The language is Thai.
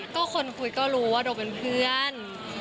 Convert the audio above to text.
ก็คนคุยก็รู้ว่าโดเป็นเพื่อน